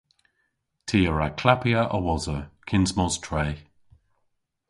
Ty a wra klappya a-wosa kyns mos tre.